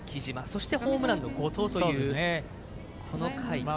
そして、ホームランの後藤というこの回。